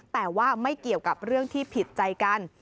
แต่ว่าไม่เกี่ยวกับเรื่องที่ผิดใจกัน